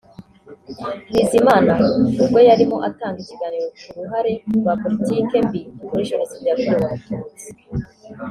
Bizimana ubwo yarimo atanga ikiganiro ku ruhare rwa politiki mbi muri Jenoside yakorewe Abatutsi